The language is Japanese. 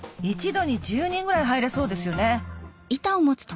一度に１０人ぐらい入れそうですよね